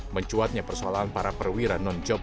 mencuatnya persoalan para perwira non job